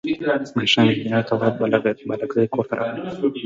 ماښام انجنیر تواب بالاکرزی کور ته راغی.